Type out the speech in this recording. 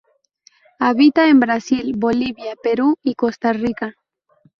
Habita en Brasil, Bolivia, Perú y Costa Rica.